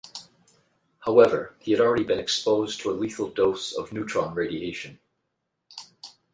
However, he had already been exposed to a lethal dose of neutron radiation.